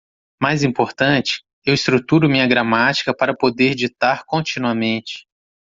Mais importante, eu estruturo minha gramática para poder ditar continuamente.